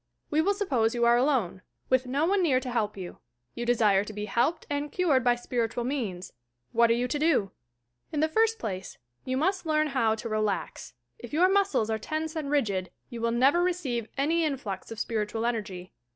We will sup pose you are alone, with no one near to help you. You desire to be helped and cured by spiritual means. What are you to doT In the first place, you must learn how to relax. If your muscles are tense and rigid, you will never receive any influx of spiritual energy.